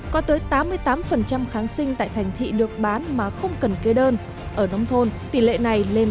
có tới tám mươi tám kháng sinh tại thành thị được bán mà không cần kê đơn ở nông thôn tỷ lệ này lên đến chín mươi một